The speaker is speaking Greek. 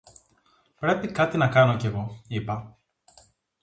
Πρέπει κάτι να κάνω κι εγώ, είπα.